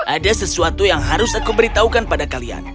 ada sesuatu yang harus aku beritahukan pada kalian